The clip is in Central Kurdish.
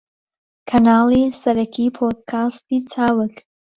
کەناڵی سەرەکی پۆدکاستی چاوگ